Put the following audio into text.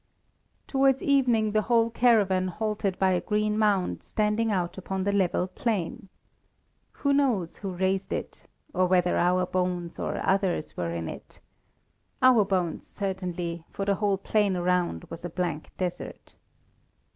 Towards evening the whole caravan halted by a green mound standing out upon the level plain. Who knows who raised it? or whether our bones or others were in it? Our bones certainly, for the whole plain around was a blank desert.